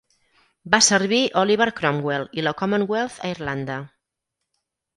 Va servir Oliver Cromwell i la Commonwealth a Irlanda.